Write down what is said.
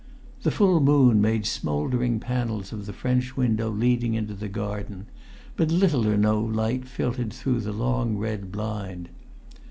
The full moon made smouldering panels of the French window leading into the garden, but little or no light filtered through the long red blind.